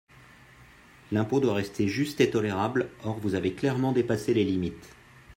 L’impôt doit rester juste et tolérable, or vous avez clairement dépassé les limites.